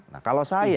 nah kalau saya